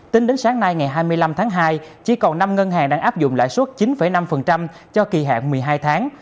tính đến sáng nay ngày hai mươi năm tháng hai chỉ còn năm ngân hàng đang áp dụng lãi suất chín năm cho kỳ hạn một mươi hai tháng